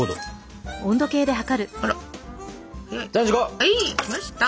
はいっきました。